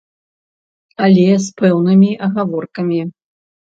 Але з пэўнымі агаворкамі.